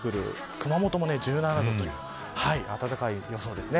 熊本も１７度という暖かい予想ですね。